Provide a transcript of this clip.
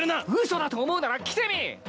嘘だと思うなら来てみ！